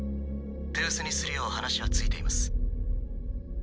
手薄にするよう話はついています。